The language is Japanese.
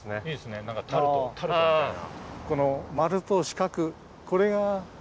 何かタルトタルトみたいな。